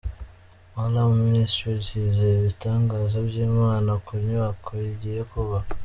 Alarm Ministries yizeye ibitangaza by'Imana ku nyubako igiye kubaka.